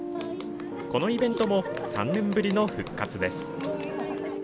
このイベントも３年ぶりの復活です。